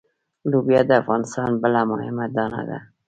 لوبیا د افغانستان بله مهمه دانه ده.